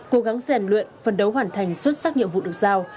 cố gắng rèn luyện phân đấu hoàn thành xuất sắc nhiệm vụ được giao